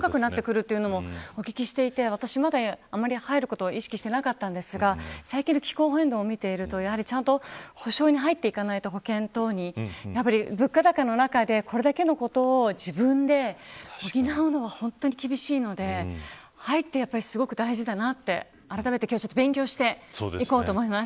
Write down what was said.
もっと細かくなっているというのもお聞きしていて私、まだあまり入ることを意識していなかったんですが最近の気候変動を見ているとちゃんと保障に入っていかないと物価高の中で、これだけのことを自分で補うのは本当に厳しいので入るのってすごく大事なのだなとあらためて勉強していこうと思います。